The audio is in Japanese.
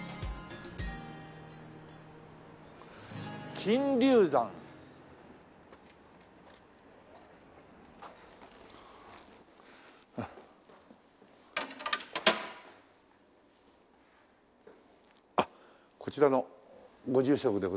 「金龍山」あっこちらのご住職でございますか？